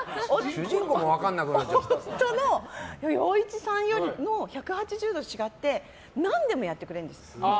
夫の陽一さんよりも１８０度違って何でもやってくれるんです。